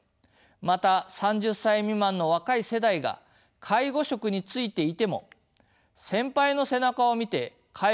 また３０歳未満の若い世代が介護職に就いていても「先輩の背中を見て介護は覚えるものよ」